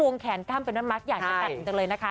วงแขนข้ามไปนั้นมักอย่างแล้วเลยนะคะ